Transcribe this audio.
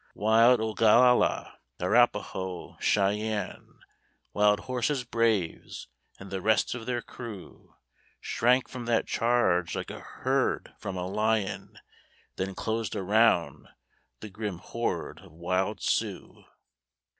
Wild Ogalallah, Arapahoe, Cheyenne, Wild Horse's braves, and the rest of their crew, Shrank from that charge like a herd from a lion, Then closed around, the grim horde of wild Sioux!